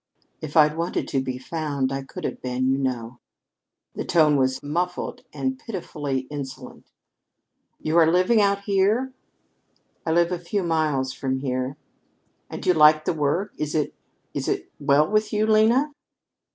"If I'd wanted to be found, I could have been, you know." The tone was muffled and pitifully insolent. "You are living out here?" "I live a few miles from here." "And you like the work? Is it is it well with you, Lena?"